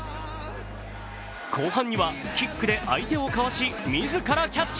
後半にはキックで相手をかわし、自らキャッチ。